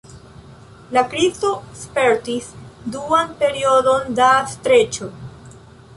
La krizo spertis duan periodon da streĉo.